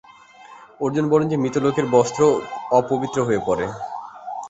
অর্জুন বলেন যে মৃত লোকের বস্ত্র অপবিত্র হয়ে পড়ে।